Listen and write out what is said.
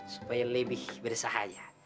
supaya lebih bersahaja